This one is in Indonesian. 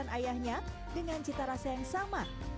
dengan ayahnya dengan cita rasa yang sama